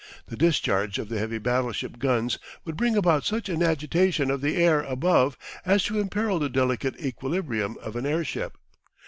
The discharge of the heavy battleship guns would bring about such an agitation of the air above as to imperil the delicate equilibrium of an airship.